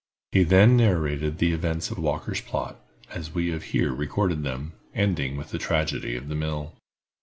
He then narrated the events of Walker's plot, as we have here recorded them, ending with the tragedy of the mill.